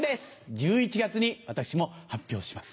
１１月に私も発表します。